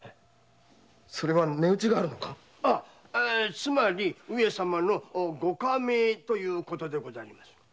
つまり上様の御下命ということでございます。